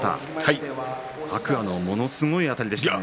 天空海のものすごいあたりでしたね。